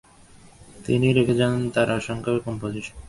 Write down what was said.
তিনি রেখে যান তার অসংখ্য কম্পোজিশন।